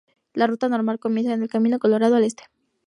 La ruta normal comienza en el Camino Colorado, al este.